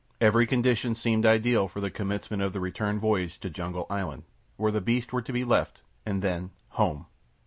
Every condition seemed ideal for the commencement of the return voyage to Jungle Island, where the beasts were to be left. And then—home!